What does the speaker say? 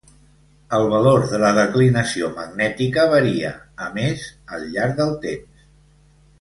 El valor de la declinació magnètica varia, a més, al llarg del temps.